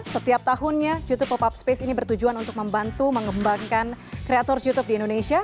setiap tahunnya youtube pop up space ini bertujuan untuk membantu mengembangkan kreator youtube di indonesia